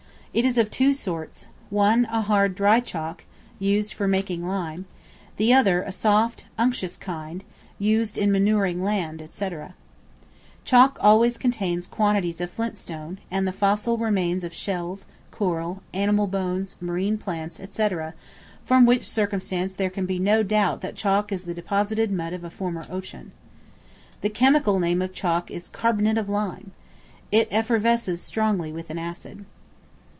It is of two sorts, one a hard dry chalk, used for making lime; the other a soft, unctuous kind, used in manuring land, &c. Chalk always contains quantities of flint stone, and the fossil remains of shells, coral, animal bones, marine plants, &c. from which circumstance there can be no doubt that chalk is the deposited mud of a former ocean. The chemical name of chalk is carbonate of lime. It effervesces strongly with an acid.